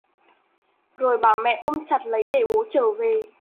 rồi bảo mẹ ôm chặt lấy để bố chở về